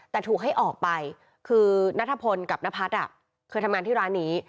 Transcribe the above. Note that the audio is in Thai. แต่ถูกให้ออกไปคือนัทพลกับนพัฒน์เคยทำงานที่ร้านนี้